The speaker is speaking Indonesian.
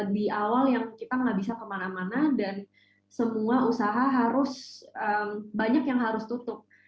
di awal yang kita nggak bisa kemana mana dan semua usaha harus banyak yang harus tutup